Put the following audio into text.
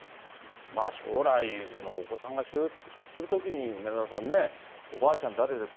将来、お子さんが就職するときに、梅沢さんね、おばあちゃん誰ですか？